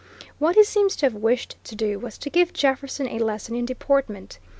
What he seems to have wished to do was to give Jefferson a lesson in deportment.